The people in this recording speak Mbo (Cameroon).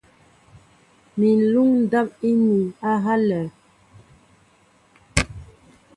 Mi ŋ̀luŋ ndáp íniin á ihálɛ̄.